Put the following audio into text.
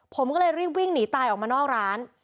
ผมก็เลยรีบวิ่งหนีตายออกมานอกร้าน